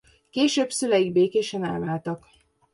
Később szüleik békésen elváltak.